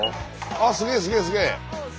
あっすげえすげえすげえ。